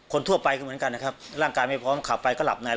คนทั่วไปก็เหมือนกันนะครับร่างกายไม่พร้อมขับไปก็หลับใน